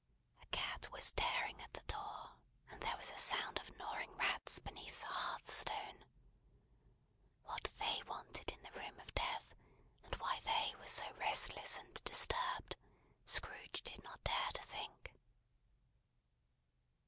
A cat was tearing at the door, and there was a sound of gnawing rats beneath the hearth stone. What they wanted in the room of death, and why they were so restless and disturbed, Scrooge did not dare to think.